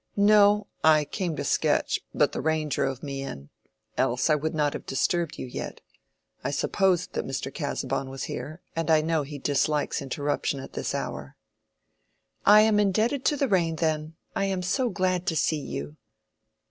"No; I came to sketch, but the rain drove me in. Else I would not have disturbed you yet. I supposed that Mr. Casaubon was here, and I know he dislikes interruption at this hour." "I am indebted to the rain, then. I am so glad to see you."